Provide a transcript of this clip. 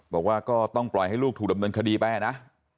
บอกว่าก็ต้องปล่อยให้ลูกถูกดำเนินคดีไปนะ